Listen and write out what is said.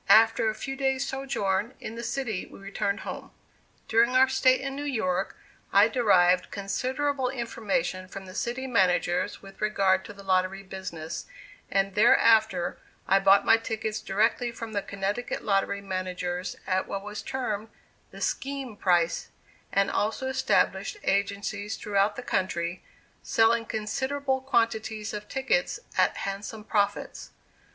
After a few days' sojourn in the city we returned home. During our stay in New York, I derived considerable information from the city managers with regard to the lottery business, and thereafter I bought my tickets directly from the Connecticut lottery managers at what was termed "the scheme price," and also established agencies throughout the country, selling considerable quantities of tickets at handsome profits.